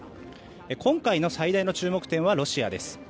今回の最大の注目点はロシアです。